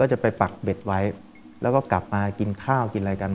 จะไปปักเบ็ดไว้แล้วก็กลับมากินข้าวกินอะไรกัน